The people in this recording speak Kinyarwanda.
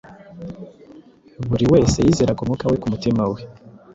Buri wese yizeraga umwuka we kumutima we